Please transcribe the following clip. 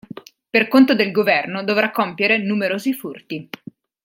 Per conto del governo dovrà compiere numerosi furti.